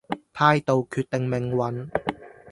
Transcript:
態度決定命運